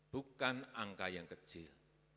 bukan angka yang kecil